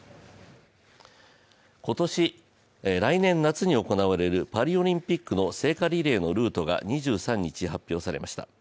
来年夏に行われるパリオリンピックの聖火リレーのルートが２３日、発表されました。